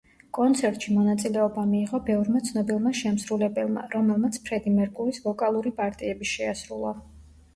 კონცერტში მონაწილეობა მიიღო ბევრმა ცნობილმა შემსრულებელმა, რომელმაც ფრედი მერკურის ვოკალური პარტიები შეასრულა.